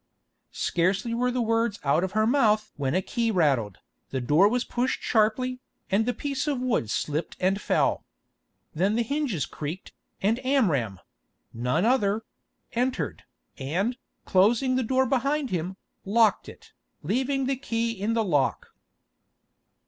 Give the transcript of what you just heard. Scarcely were the words out of her mouth when a key rattled, the door was pushed sharply, and the piece of wood slipped and fell. Then the hinges creaked, and Amram—none other—entered, and, closing the door behind him, locked it, leaving the key in the lock.